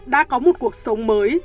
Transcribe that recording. đã có một cuộc sống mới